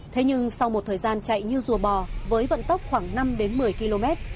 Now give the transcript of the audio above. thế nhưng sau một thời gian chạy như rùa bò với vận tốc khoảng năm đến một mươi km